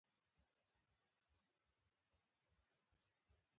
زیات شمېر استادان په څېړنیزو موضوعاتو کې اجازه نه ورکوي.